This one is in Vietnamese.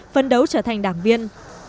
phân đấu trở thành đảng viên